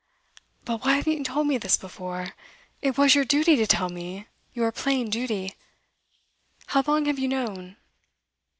'But why haven't you told me this before? It was your duty to tell me your plain duty. How long have you known?